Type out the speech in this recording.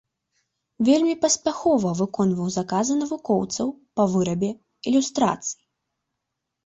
Вельмі паспяхова выконваў заказы навукоўцаў па вырабе ілюстрацый.